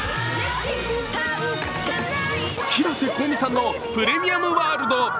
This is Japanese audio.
広瀬香美さんの「プレミアムワールド」。